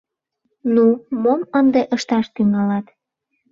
Ну, мом ынде ышташ тӱҥалат?